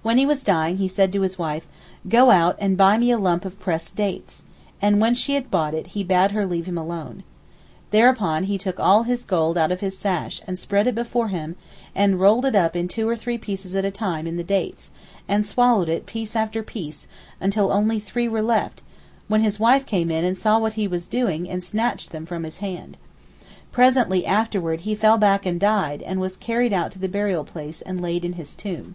When he was dying he said to his wife, "Go out and buy me a lump of pressed dates," and when she had brought it he bade her leave him alone. Thereupon he took all his gold out of his sash and spread it before him, and rolled it up two or three pieces at a time in the dates, and swallowed it piece after piece until only three were left, when his wife came in and saw what he was doing and snatched them from his hand. Presently after he fell back and died and was carried out to the burial place and laid in his tomb.